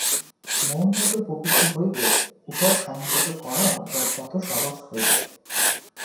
মন যত পবিত্র হইবে, উহা সংযত করাও তত সহজ হইবে।